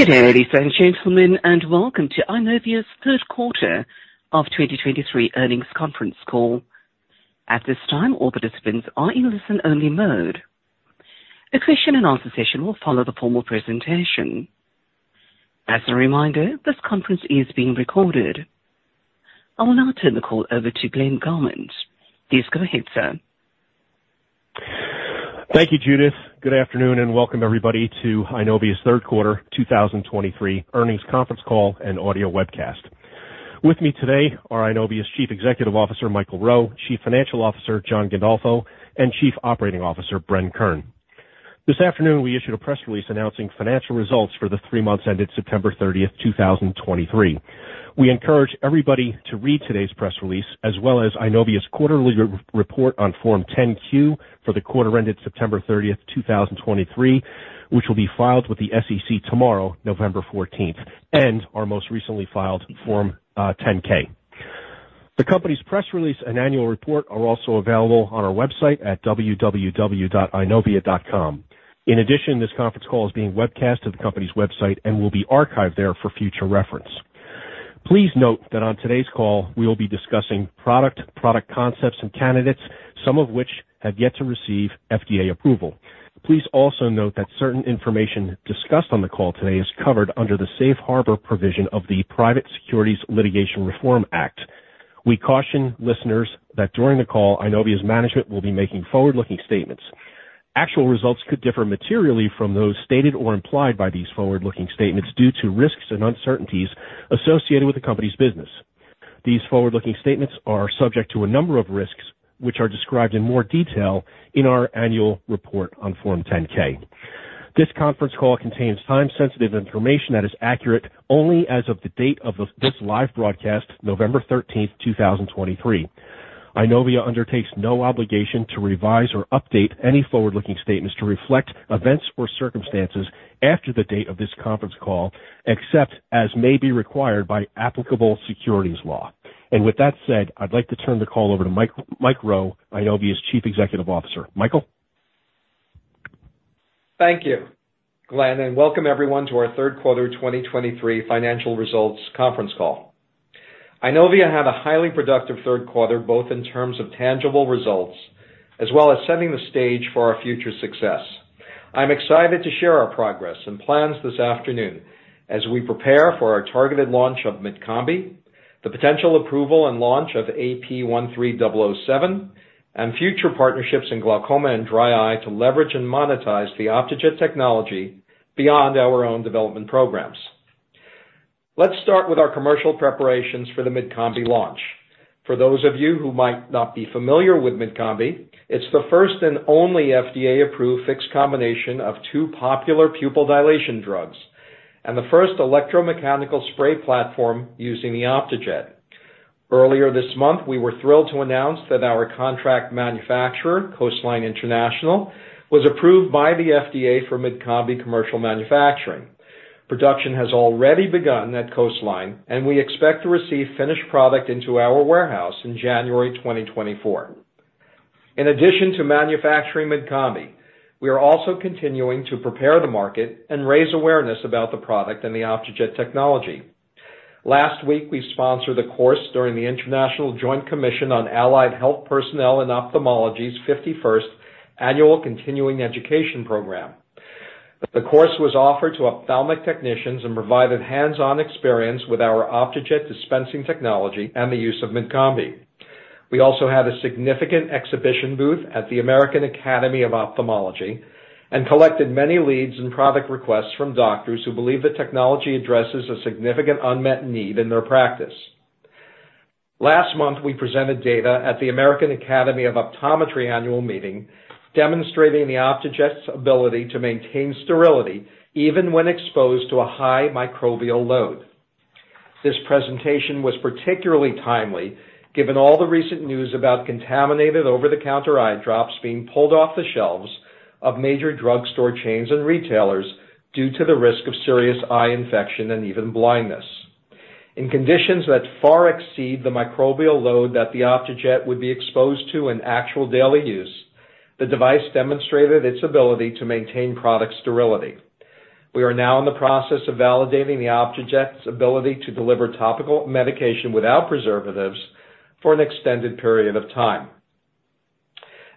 Good day, ladies and gentlemen, and welcome to Eyenovia's Q3 of 2023 earnings conference call. At this time, all participants are in listen-only mode. A question and answer session will follow the formal presentation. As a reminder, this conference is being recorded. I will now turn the call over to Glenn Gomman. Please go ahead, sir. Thank you, Judith. Good afternoon, and welcome everybody to Eyenovia's Q3 2023 earnings conference call and audio webcast. With me today are Eyenovia's Chief Executive Officer, Michael Rowe, Chief Financial Officer, John Gandolfo, and Chief Operating Officer, Bren Kern. This afternoon, we issued a press release announcing financial results for the three months ended September 30, 2023. We encourage everybody to read today's press release, as well as Eyenovia's quarterly report on Form 10-Q for the quarter ended September 30, 2023, which will be filed with the SEC tomorrow, November 14, and our most recently filed Form 10-K. The company's press release and annual report are also available on our website at www.eyenovia.com. In addition, this conference call is being webcasted to the company's website and will be archived there for future reference. Please note that on today's call, we will be discussing product, product concepts and candidates, some of which have yet to receive FDA approval. Please also note that certain information discussed on the call today is covered under the safe harbor provision of the Private Securities Litigation Reform Act. We caution listeners that during the call, Eyenovia's management will be making forward-looking statements. Actual results could differ materially from those stated or implied by these forward-looking statements due to risks and uncertainties associated with the company's business. These forward-looking statements are subject to a number of risks, which are described in more detail in our annual report on Form 10-K. This conference call contains time-sensitive information that is accurate only as of the date of this live broadcast, November thirteenth, 2023. Eyenovia undertakes no obligation to revise or update any forward-looking statements to reflect events or circumstances after the date of this conference call, except as may be required by applicable securities law. With that said, I'd like to turn the call over to Mike, Mike Rowe, Eyenovia's Chief Executive Officer. Michael? Thank you, Glenn, and welcome everyone to our Q3 2023 financial results conference call. Eyenovia had a highly productive Q3, both in terms of tangible results as well as setting the stage for our future success. I'm excited to share our progress and plans this afternoon as we prepare for our targeted launch of Mydcombi, the potential approval and launch of APP13007, and future partnerships in glaucoma and dry eye to leverage and monetize the Optejet technology beyond our own development programs. Let's start with our commercial preparations for the Mydcombi launch. For those of you who might not be familiar with Mydcombi, it's the first and only FDA-approved fixed combination of two popular pupil dilation drugs and the first electromechanical spray platform using the Optejet. Earlier this month, we were thrilled to announce that our contract manufacturer, Coastline International, was approved by the FDA for Mydcombi commercial manufacturing. Production has already begun at Coastline, and we expect to receive finished product into our warehouse in January 2024. In addition to manufacturing Mydcombi, we are also continuing to prepare the market and raise awareness about the product and the Optejet technology. Last week, we sponsored a course during the International Joint Commission on Allied Health Personnel in Ophthalmology's 51st annual continuing education program. The course was offered to ophthalmic technicians and provided hands-on experience with our Optejet dispensing technology and the use of Mydcombi. We also had a significant exhibition booth at the American Academy of Ophthalmology and collected many leads and product requests from doctors who believe the technology addresses a significant unmet need in their practice. Last month, we presented data at the American Academy of Optometry annual meeting, demonstrating the Optejet's ability to maintain sterility even when exposed to a high microbial load. This presentation was particularly timely, given all the recent news about contaminated over-the-counter eye drops being pulled off the shelves of major drugstore chains and retailers due to the risk of serious eye infection and even blindness. In conditions that far exceed the microbial load that the Optejet would be exposed to in actual daily use, the device demonstrated its ability to maintain product sterility. We are now in the process of validating the Optejet's ability to deliver topical medication without preservatives for an extended period of time.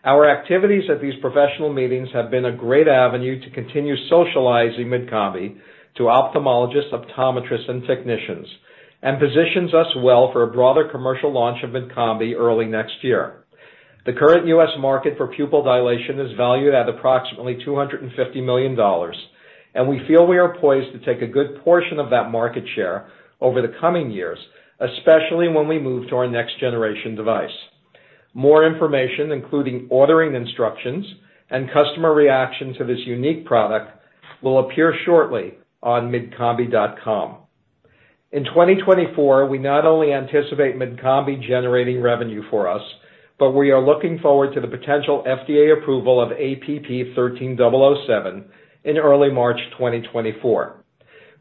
Our activities at these professional meetings have been a great avenue to continue socializing Mydcombi to ophthalmologists, optometrists and technicians, and positions us well for a broader commercial launch of Mydcombi early next year. The current U.S. market for pupil dilation is valued at approximately $250 million, and we feel we are poised to take a good portion of that market share over the coming years, especially when we move to our next generation device. More information, including ordering instructions and customer reaction to this unique product, will appear shortly on Mydcombi.com. In 2024, we not only anticipate Mydcombi generating revenue for us, but we are looking forward to the potential FDA approval of APP13007 in early March 2024.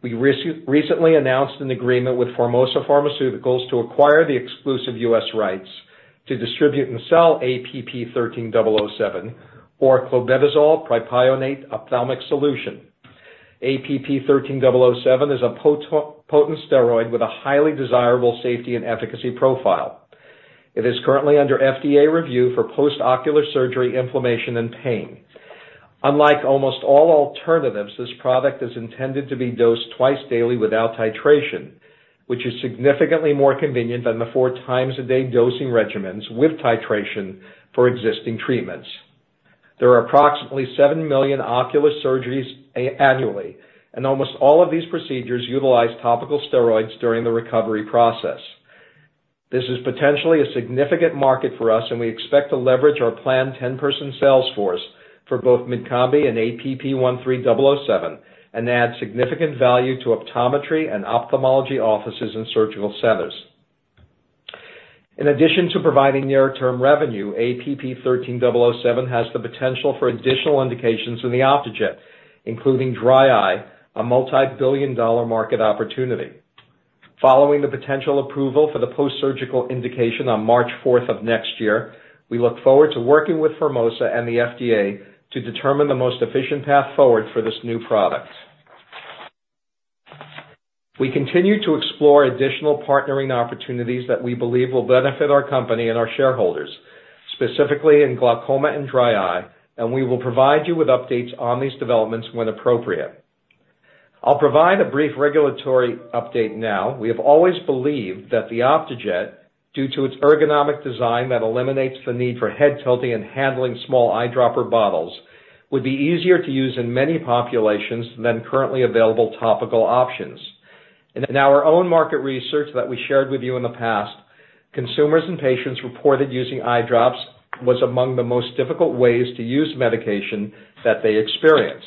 We recently announced an agreement with Formosa Pharmaceuticals to acquire the exclusive U.S. rights to distribute and sell APP13007, or clobetasol propionate ophthalmic solution. APP13007 is a potent steroid with a highly desirable safety and efficacy profile. It is currently under FDA review for post-ocular surgery, inflammation, and pain. Unlike almost all alternatives, this product is intended to be dosed twice daily without titration, which is significantly more convenient than the four times a day dosing regimens with titration for existing treatments. There are approximately 7 million ocular surgeries annually, and almost all of these procedures utilize topical steroids during the recovery process. This is potentially a significant market for us, and we expect to leverage our planned 10-person sales force for both Mydcombi and APP13007, and add significant value to optometry and ophthalmology offices and surgical centers. In addition to providing near-term revenue, APP13007 has the potential for additional indications in the Optejet, including dry eye, a multi-billion-dollar market opportunity. Following the potential approval for the post-surgical indication on March 4 of next year, we look forward to working with Formosa and the FDA to determine the most efficient path forward for this new product. We continue to explore additional partnering opportunities that we believe will benefit our company and our shareholders, specifically in glaucoma and dry eye, and we will provide you with updates on these developments when appropriate. I'll provide a brief regulatory update now. We have always believed that the Optejet, due to its ergonomic design that eliminates the need for head tilting and handling small eyedropper bottles, would be easier to use in many populations than currently available topical options. In our own market research that we shared with you in the past, consumers and patients reported using eye drops was among the most difficult ways to use medication that they experienced.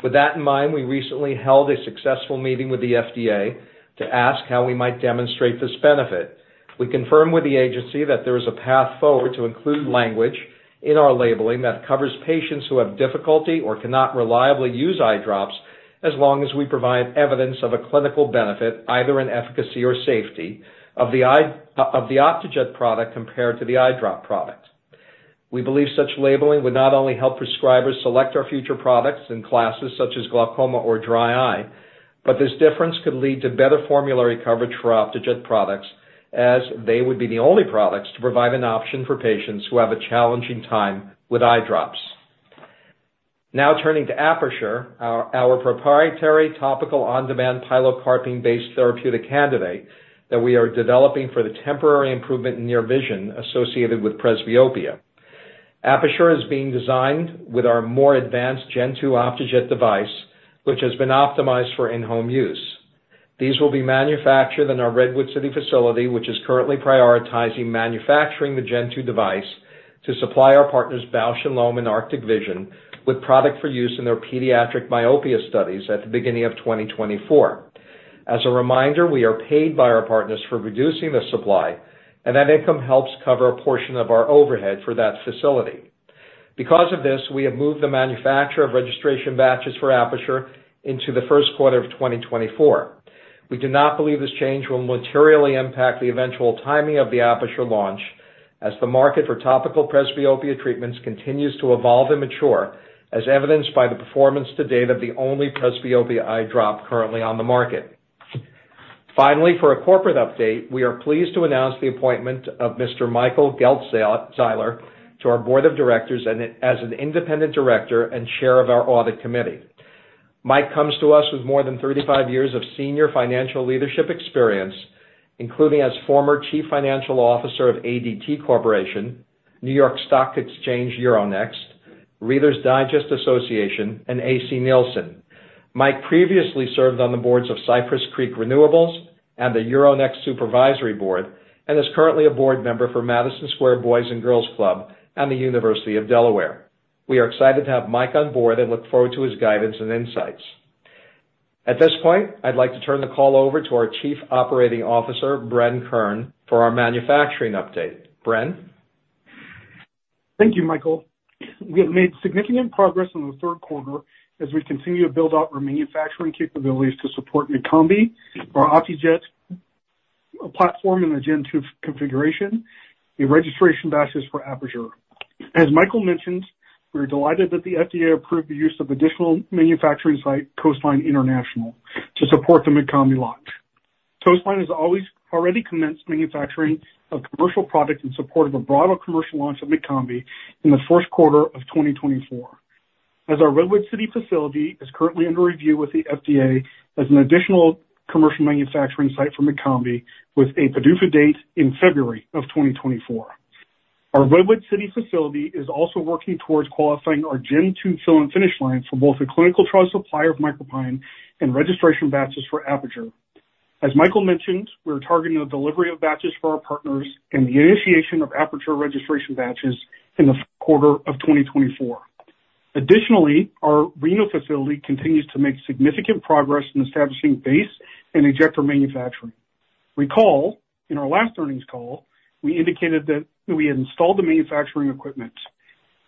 With that in mind, we recently held a successful meeting with the FDA to ask how we might demonstrate this benefit. We confirmed with the agency that there is a path forward to include language in our labeling that covers patients who have difficulty or cannot reliably use eye drops, as long as we provide evidence of a clinical benefit, either in efficacy or safety, of the Optejet product compared to the eye drop product. We believe such labeling would not only help prescribers select our future products in classes such as glaucoma or dry eye, but this difference could lead to better formulary coverage for Optejet products, as they would be the only products to provide an option for patients who have a challenging time with eye drops. Now, turning to APERTURE, our proprietary topical on-demand pilocarpine-based therapeutic candidate that we are developing for the temporary improvement in near vision associated with presbyopia. APERTURE is being designed with our more advanced Gen 2 Optejet device, which has been optimized for in-home use. These will be manufactured in our Redwood City facility, which is currently prioritizing manufacturing the Gen 2 device to supply our partners, Bausch + Lomb and Arctic Vision, with product for use in their pediatric myopia studies at the beginning of 2024. As a reminder, we are paid by our partners for producing this supply, and that income helps cover a portion of our overhead for that facility. Because of this, we have moved the manufacture of registration batches for APERTURE into the Q1 of 2024. We do not believe this change will materially impact the eventual timing of the APERTURE launch, as the market for topical presbyopia treatments continues to evolve and mature, as evidenced by the performance to date of the only presbyopia eye drop currently on the market. Finally, for a corporate update, we are pleased to announce the appointment of Mr. Michael Geltzeiler to our board of directors and as an independent director and chair of our audit committee. Mike comes to us with more than 35 years of senior financial leadership experience, including as former Chief Financial Officer of ADT Corporation, New York Stock Exchange Euronext, Reader's Digest Association, and ACNielsen. Mike previously served on the boards of Cypress Creek Renewables and the Euronext Supervisory Board, and is currently a board member for Madison Square Boys & Girls Club and the University of Delaware. We are excited to have Mike on board and look forward to his guidance and insights. At this point, I'd like to turn the call over to our Chief Operating Officer, Bren Kern, for our manufacturing update. Bren? Thank you, Michael. We have made significant progress in the Q3 as we continue to build out our manufacturing capabilities to support Mydcombi, our Optejet platform in the Gen 2 configuration, the registration batches for APERTURE. As Michael mentioned, we're delighted that the FDA approved the use of additional manufacturing site, Coastline International, to support the Mydcombi launch. Coastline has already commenced manufacturing of commercial products in support of a broader commercial launch of Mydcombi in the Q1 of 2024. Our Redwood City facility is currently under review with the FDA as an additional commercial manufacturing site for Mydcombi, with a PDUFA date in February of 2024. Our Redwood City facility is also working towards qualifying our Gen 2 fill and finish line for both the clinical trial supply of MicroPine and registration batches for APERTURE. As Michael mentioned, we're targeting the delivery of batches for our partners and the initiation of APERTURE registration batches in the Q4 of 2024. Additionally, our Reno facility continues to make significant progress in establishing base and ejector manufacturing. Recall, in our last earnings call, we indicated that we had installed the manufacturing equipment.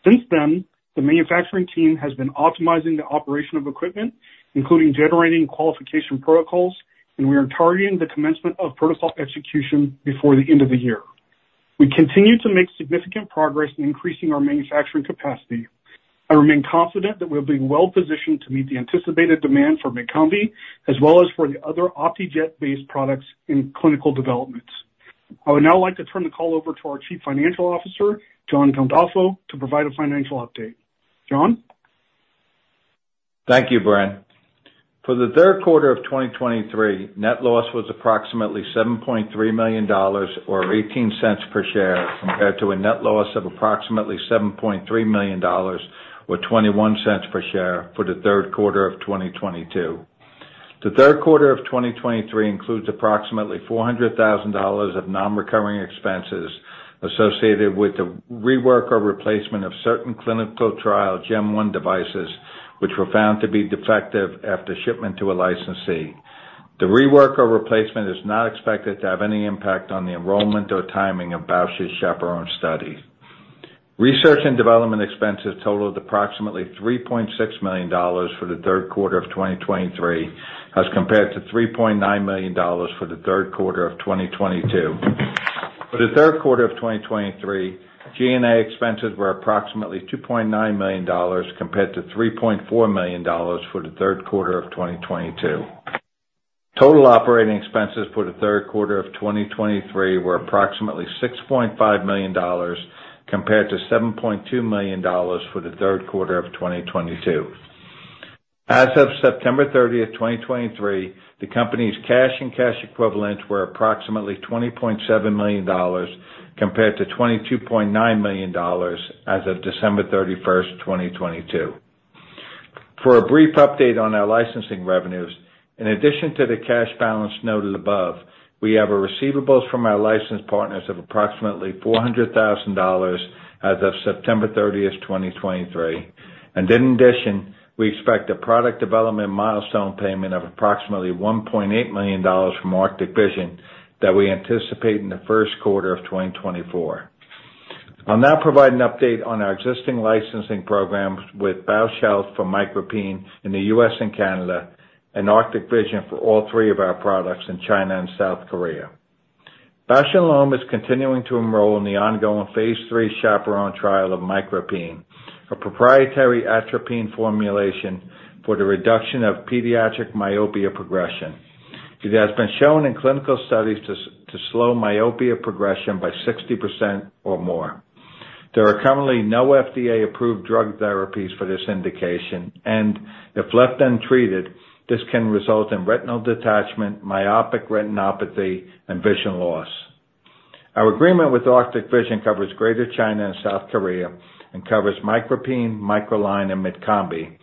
Since then, the manufacturing team has been optimizing the operation of equipment, including generating qualification protocols, and we are targeting the commencement of protocol execution before the end of the year. We continue to make significant progress in increasing our manufacturing capacity. I remain confident that we'll be well positioned to meet the anticipated demand for Mydcombi, as well as for the other Optejet-based products in clinical developments. I would now like to turn the call over to our Chief Financial Officer, John Gandolfo, to provide a financial update. John? Thank you, Bren. For the Q3 of 2023, net loss was approximately $7.3 million or $0.18 per share, compared to a net loss of approximately $7.3 million or $0.21 per share for the Q3 of 2022. The Q3 of 2023 includes approximately $400,000 of non-recurring expenses associated with the rework or replacement of certain clinical trial Gen 1 devices, which were found to be defective after shipment to a licensee. The rework or replacement is not expected to have any impact on the enrollment or timing of Bausch's CHAPERONE study. Research and development expenses totaled approximately $3.6 million for the Q3 of 2023, as compared to $3.9 million for the Q3 of 2022. For the Q3 of 2023, G&A expenses were approximately $2.9 million, compared to $3.4 million for the Q3 of 2022. Total operating expenses for the Q3 of 2023 were approximately $6.5 million, compared to $7.2 million for the Q3 of 2022. As of September thirtieth, 2023, the company's cash and cash equivalents were approximately $20.7 million, compared to $22.9 million as of December thirty-first, 2022. For a brief update on our licensing revenues, in addition to the cash balance noted above, we have a receivables from our licensed partners of approximately $400,000 as of September thirtieth, 2023. And in addition, we expect a product development milestone payment of approximately $1.8 million from Arctic Vision that we anticipate in the Q1 of 2024. I'll now provide an update on our existing licensing programs with Bausch + Lomb for MicroPine in the U.S. and Canada, and Arctic Vision for all three of our products in China and South Korea. Bausch + Lomb is continuing to enroll in the ongoing phase 3 CHAPERONE trial of MicroPine, a proprietary atropine formulation for the reduction of pediatric myopia progression. It has been shown in clinical studies to slow myopia progression by 60% or more. There are currently no FDA-approved drug therapies for this indication, and if left untreated, this can result in retinal detachment, myopic retinopathy, and vision loss. Our agreement with Arctic Vision covers Greater China and South Korea and covers MicroPine, MicroLine, and Mydcombi,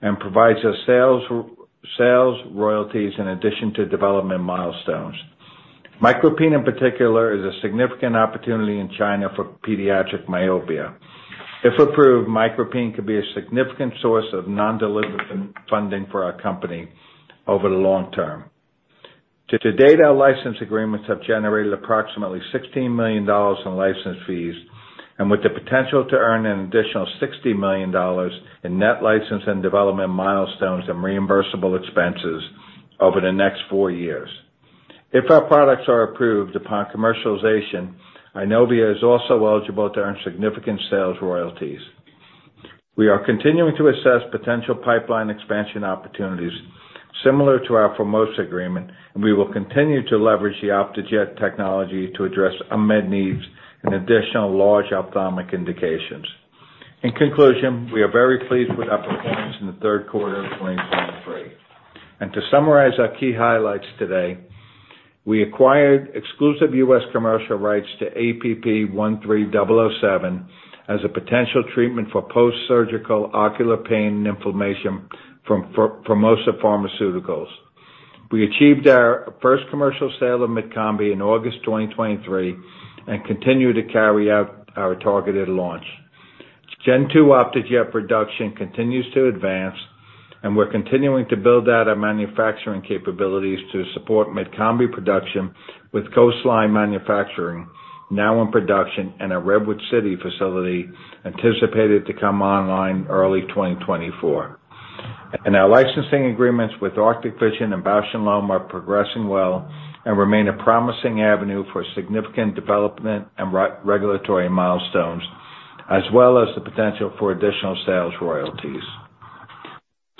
and provides us sales royalties in addition to development milestones. MicroPine, in particular, is a significant opportunity in China for pediatric myopia. If approved, MicroPine could be a significant source of non-dilutive funding for our company over the long term. To date, our license agreements have generated approximately $16 million in license fees, and with the potential to earn an additional $60 million in net license and development milestones and reimbursable expenses over the next four years. If our products are approved upon commercialization, Eyenovia is also eligible to earn significant sales royalties. We are continuing to assess potential pipeline expansion opportunities similar to our Formosa agreement, and we will continue to leverage the Optejet technology to address unmet needs and additional large ophthalmic indications. In conclusion, we are very pleased with our performance in the Q3 of 2023. To summarize our key highlights today, we acquired exclusive U.S. commercial rights to APP13007 as a potential treatment for post-surgical ocular pain and inflammation from Formosa Pharmaceuticals. We achieved our first commercial sale of Mydcombi in August 2023 and continue to carry out our targeted launch. Gen 2 Optejet production continues to advance, and we're continuing to build out our manufacturing capabilities to support Mydcombi production, with Coastline manufacturing now in production and our Redwood City facility anticipated to come online early 2024. Our licensing agreements with Arctic Vision and Bausch + Lomb are progressing well and remain a promising avenue for significant development and regulatory milestones, as well as the potential for additional sales royalties.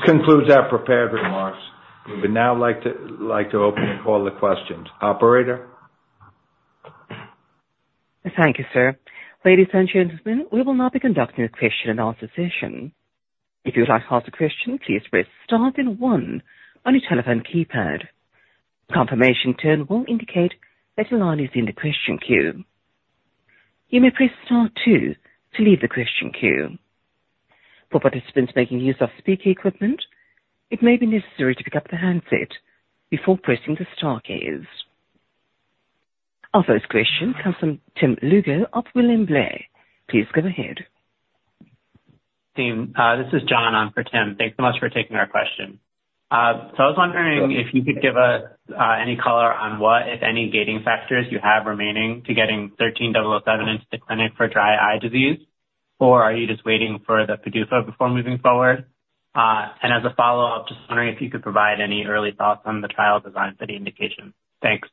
This concludes our prepared remarks. We would now like to open all the questions. Operator? Thank you, sir. Ladies and gentlemen, we will now be conducting a question and answer session. If you would like to ask a question, please press star then one on your telephone keypad. Confirmation tone will indicate that your line is in the question queue. You may press star two to leave the question queue. For participants making use of speaker equipment, it may be necessary to pick up the handset before pressing the star keys. Our first question comes from Tim Lugo of William Blair. Please go ahead.... Team, this is John on for Tim. Thanks so much for taking our question. So I was wondering if you could give us any color on what, if any, gating factors you have remaining to getting 13007 into the clinic for dry eye disease, or are you just waiting for the PDUFA before moving forward? And as a follow-up, just wondering if you could provide any early thoughts on the trial design for the indication. Thanks.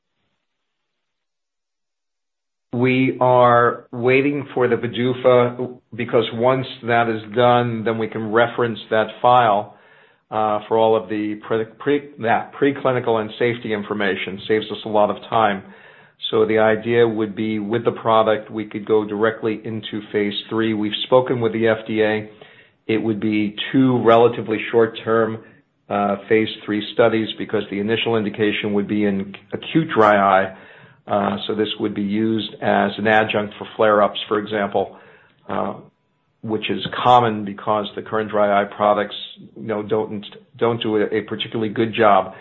We are waiting for the PDUFA, because once that is done, then we can reference that file for all of the preclinical and safety information. Saves us a lot of time. So the idea would be, with the product, we could go directly into phase three. We've spoken with the FDA. It would be two relatively short-term phase three studies, because the initial indication would be in acute dry eye. So this would be used as an adjunct for flare-ups, for example, which is common because the current dry eye products, you know, don't do a particularly good job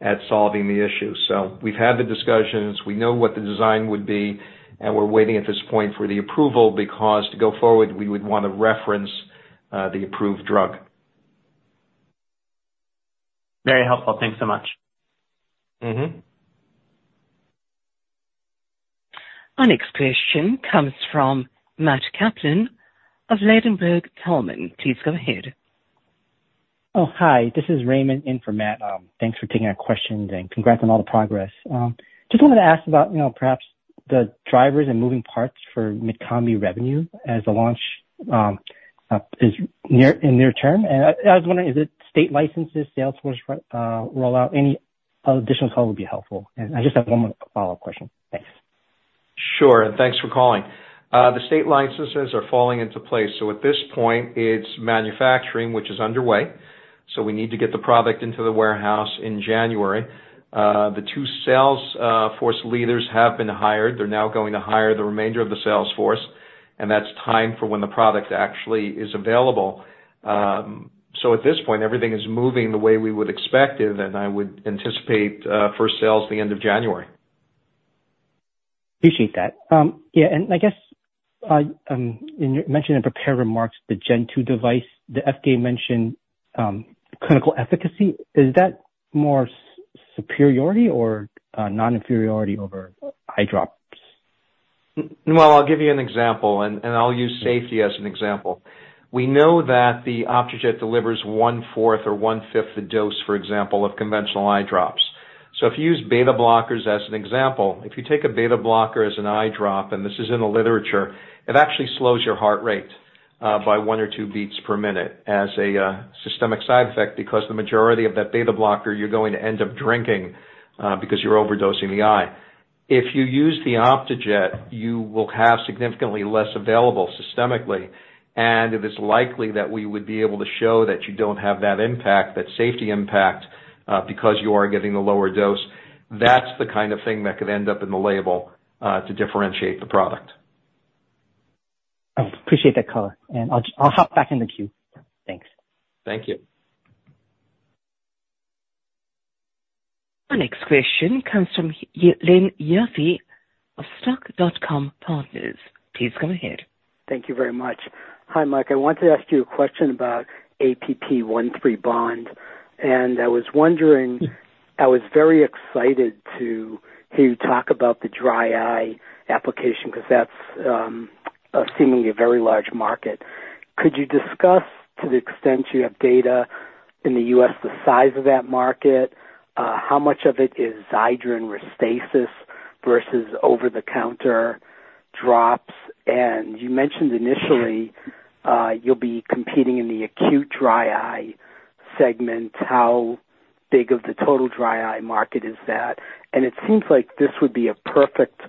at solving the issue. So we've had the discussions, we know what the design would be, and we're waiting at this point for the approval, because to go forward, we would want to reference the approved drug. Very helpful. Thanks so much. Our next question comes from Matt Kaplan of Ladenburg Thalmann. Please go ahead. Oh, hi, this is Raymond in for Matt. Thanks for taking our questions, and congrats on all the progress. Just wanted to ask about, you know, perhaps the drivers and moving parts for Mydcombi revenue as the launch is nearing in the near term. And I was wondering, is it state licenses, sales force, rollout? Any additional color would be helpful. And I just have one more follow-up question. Thanks. Sure, and thanks for calling. The state licenses are falling into place, so at this point it's manufacturing, which is underway, so we need to get the product into the warehouse in January. The two sales force leaders have been hired. They're now going to hire the remainder of the sales force, and that's timed for when the product actually is available. So at this point, everything is moving the way we would expect it, and I would anticipate first sales the end of January. Appreciate that. Yeah, and I guess, you mentioned in prepared remarks the Gen 2 device. The FDA mentioned clinical efficacy. Is that more superiority or non-inferiority over eye drops? Well, I'll give you an example, and I'll use safety as an example. We know that the Optejet delivers one-fourth or one-fifth the dose, for example, of conventional eye drops. So if you use beta blockers as an example, if you take a beta blocker as an eye drop, and this is in the literature, it actually slows your heart rate by one or two beats per minute as a systemic side effect, because the majority of that beta blocker, you're going to end up drinking, because you're overdosing the eye. If you use the Optejet, you will have significantly less available systemically, and it is likely that we would be able to show that you don't have that impact, that safety impact, because you are getting a lower dose. That's the kind of thing that could end up in the label, to differentiate the product. I appreciate that color, and I'll hop back in the queue. Thanks. Thank you. Our next question comes from H. Len Yaffe of Stocastic Partners. Please go ahead. Thank you very much. Hi, Mike. I wanted to ask you a question about APP13007, and I was wondering. I was very excited to hear you talk about the dry eye application, because that's seemingly a very large market. Could you discuss, to the extent you have data in the U.S., the size of that market, how much of it is Xiidra and Restasis versus over-the-counter drops? And you mentioned initially, you'll be competing in the acute dry eye segment. How big of the total dry eye market is that? And it seems like this would be a perfect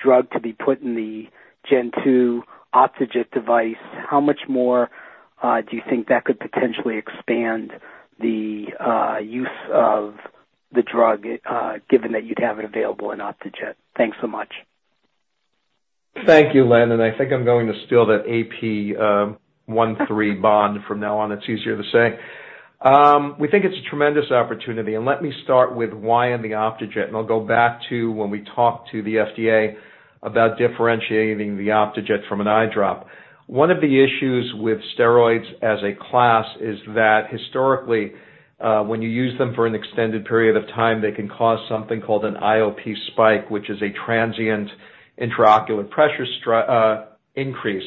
drug to be put in the Gen 2 Optejet device. How much more do you think that could potentially expand the use of the drug, given that you'd have it available in Optejet? Thanks so much. Thank you, Len, and I think I'm going to steal that APP13007 from now on. It's easier to say. We think it's a tremendous opportunity, and let me start with why in the Optejet, and I'll go back to when we talked to the FDA about differentiating the Optejet from an eye drop. One of the issues with steroids as a class is that historically, when you use them for an extended period of time, they can cause something called an IOP spike, which is a transient intraocular pressure increase,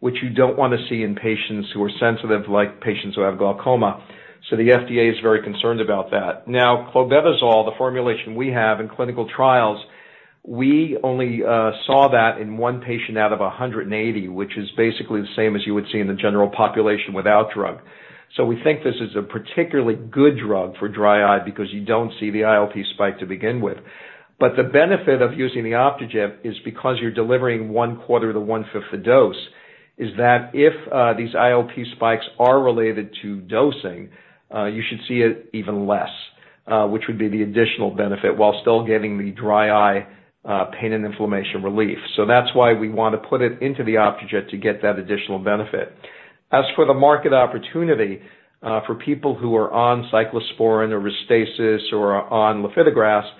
which you don't want to see in patients who are sensitive, like patients who have glaucoma. So the FDA is very concerned about that. Now, clobetasol, the formulation we have in clinical trials, we only saw that in one patient out of 180, which is basically the same as you would see in the general population without drug. So we think this is a particularly good drug for dry eye because you don't see the IOP spike to begin with. But the benefit of using the Optejet is because you're delivering one-quarter to one-fifth the dose, is that if these IOP spikes are related to dosing, you should see it even less, which would be the additional benefit while still getting the dry eye pain and inflammation relief. So that's why we want to put it into the Optejet to get that additional benefit. As for the market opportunity, for people who are on cyclosporine or Restasis or on lifitegrast-...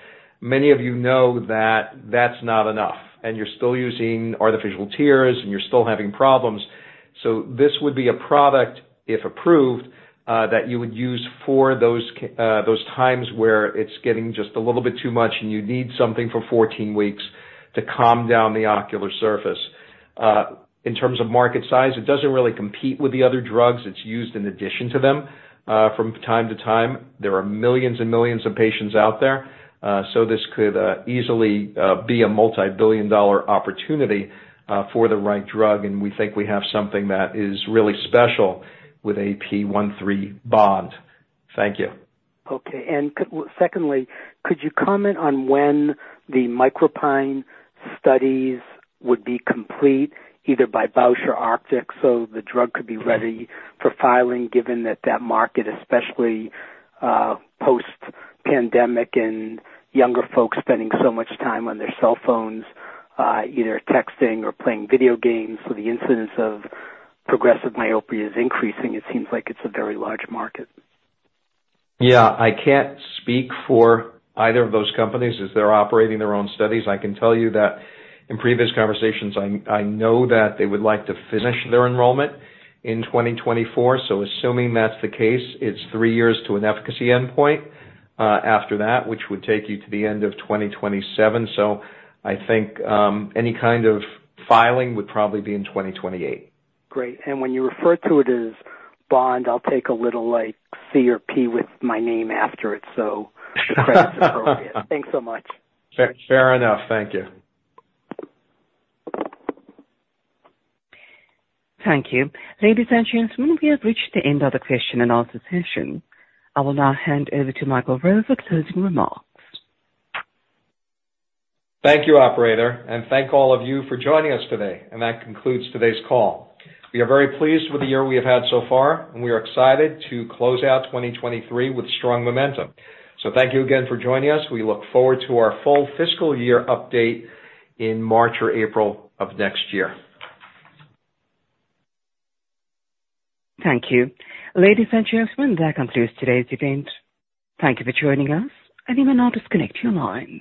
Many of you know that that's not enough, and you're still using artificial tears, and you're still having problems. So this would be a product, if approved, that you would use for those times where it's getting just a little bit too much, and you need something for 14 weeks to calm down the ocular surface. In terms of market size, it doesn't really compete with the other drugs. It's used in addition to them, from time to time. There are millions and millions of patients out there. So this could easily be a multibillion-dollar opportunity for the right drug, and we think we have something that is really special with APP13007. Thank you. Okay. And secondly, could you comment on when the MicroPine studies would be complete, either by Bausch + Lomb, so the drug could be ready for filing, given that that market, especially, post-pandemic and younger folks spending so much time on their cell phones, either texting or playing video games, so the incidence of progressive myopia is increasing, it seems like it's a very large market. Yeah. I can't speak for either of those companies, as they're operating their own studies. I can tell you that in previous conversations, I know that they would like to finish their enrollment in 2024. So assuming that's the case, it's three years to an efficacy endpoint after that, which would take you to the end of 2027. So I think any kind of filing would probably be in 2028. Great. And when you refer to it as Bond, I'll take a little, like, C or P with my name after it, so the credit's appropriate. Thanks so much. Fair enough. Thank you. Thank you. Ladies and gentlemen, we have reached the end of the question and answer session. I will now hand over to Michael Rowe for closing remarks. Thank you, operator, and thank all of you for joining us today. That concludes today's call. We are very pleased with the year we have had so far, and we are excited to close out 2023 with strong momentum. Thank you again for joining us. We look forward to our full fiscal year update in March or April of next year. Thank you. Ladies and gentlemen, that concludes today's event. Thank you for joining us, and you may now disconnect your line.